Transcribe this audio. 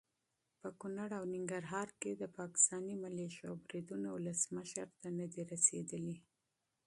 په کنړ او ننګرهار کې د پاکستاني ملیشو بریدونه ولسمشر ته ندي رسېدلي.